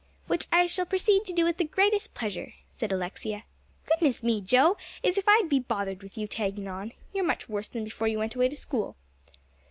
"Which I shall proceed to do with the greatest pleasure," said Alexia. "Goodness me! Joe, as if I'd be bothered with you tagging on. You're much worse than before you went away to school."